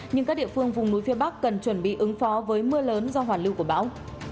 nhưng các địa phương vùng núi phía bắc cần chuẩn bị ứng phó với mưa lớn do hoàn lưu của bão